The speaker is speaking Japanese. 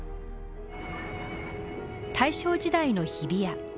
大正時代の日比谷。